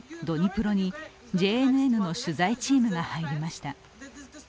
ドニプロにＪＮＮの取材チームが入りました。